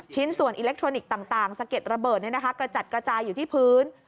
ชิ้นส่วนอิเล็กทรอนิกส์ต่างสะเก็ดระเบิดกระจัดกระจายอยู่ที่พื้น